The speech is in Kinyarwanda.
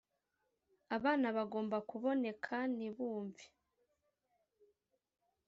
abana bagomba kuboneka ntibumve